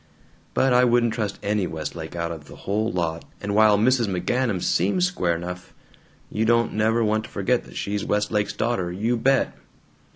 But I wouldn't trust any Westlake out of the whole lot, and while Mrs. McGanum SEEMS square enough, you don't never want to forget that she's Westlake's daughter. You bet!"